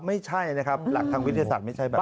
ไม่ใช่นะครับหลักทางวิทยาศาสตร์ไม่ใช่แบบ